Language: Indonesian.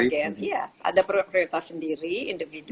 iya ada prioritas sendiri individu